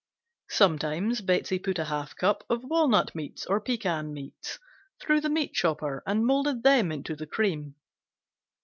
Sometimes Betsey put a half cup of walnut meats or pecan meats through the meat chopper and molded them into the cream.